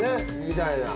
みたいな。